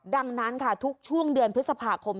ดังนั้นค่ะทุกช่วงเดือนพฤษภาคม